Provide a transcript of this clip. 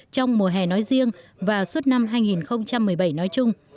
trong mùa hè nói riêng và suốt năm hai nghìn một mươi bảy nói chung